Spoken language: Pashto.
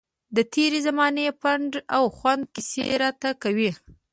د تېرې زمانې پند او خوند کیسې راته کوي.